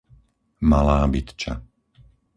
Malá Bytča